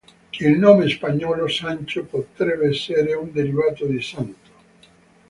Il nome spagnolo Sancho potrebbe essere un derivato di Santo.